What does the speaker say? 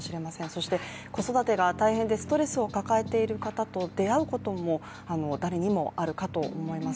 そして、子育てが大変でストレスを抱えている方と出会うことも誰にもあるかと思います。